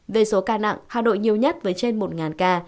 về số ca nặng hà nội nhiều nhất với trên một ca